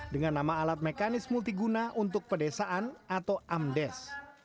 dengan nama alat mekanis multiguna untuk pedesaan atau amdes